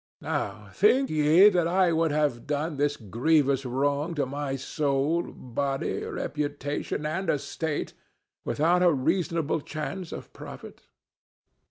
Now think ye that I would have done this grievous wrong to my soul, body, reputation and estate, without a reasonable chance of profit?"